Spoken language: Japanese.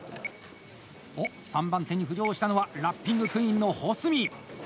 おっ、３番手に浮上したのはラッピングクイーンの保住！